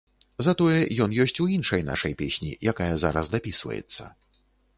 Затое ён ёсць у іншай нашай песні, якая зараз дапісваецца.